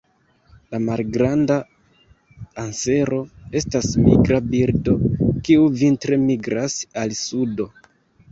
La Malgranda ansero estas migra birdo, kiu vintre migras al sudo.